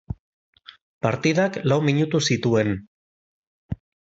Partidak lau minutu zituen.